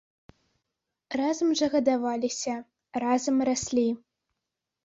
Разам жа гадаваліся, разам раслі.